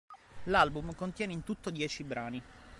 L'album contiene in tutto dieci brani.